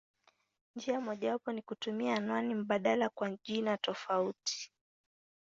Njia mojawapo ni kutumia anwani mbadala kwa jina tofauti.